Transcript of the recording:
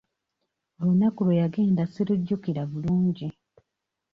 Olunaku lwe yagenda ssirujjukira bulungi.